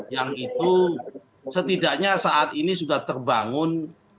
yang itu setidaknya saat ini sudah terbangun